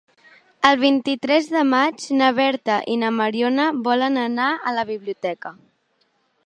El vint-i-tres de maig na Berta i na Mariona volen anar a la biblioteca.